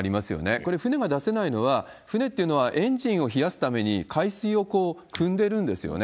これ、船が出せないのは、船っていうのはエンジンを冷やすために海水をくんでるんですよね。